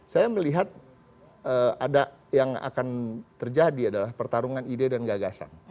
saya melihat ada yang akan terjadi adalah pertarungan ide dan gagasan